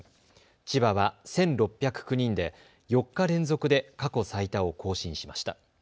千葉は１６０９人で４日連続で過去最多を更新しました。